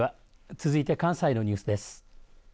続いて関西のニュースです。